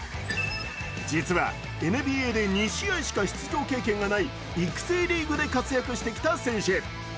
実はＮＢＡで２試合しか出場経験がない育成リーグで活躍してきた選手。